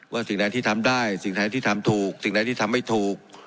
สิ่งใดที่ทำได้สิ่งไหนที่ทำถูกสิ่งใดที่ทำไม่ถูก